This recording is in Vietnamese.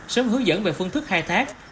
sớm hướng dẫn về phương thức khai thác